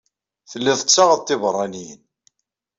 Telliḍ tettaɣeḍ tibeṛṛaniyin.